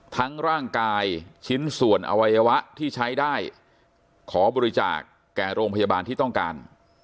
ทั้งร่างกายชิ้นส่วนอวัยวะที่ใช้ได้ขอบริจาคแก่โรงพยาบาลที่ต้องการ